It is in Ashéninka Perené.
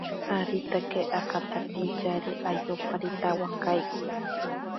Aritake akantapintyari ayomparitawakai.